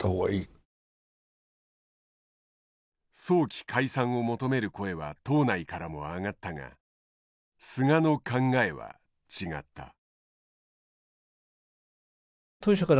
早期解散を求める声は党内からも上がったが菅の考えは違った。